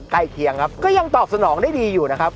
เคียงครับก็ยังตอบสนองได้ดีอยู่นะครับ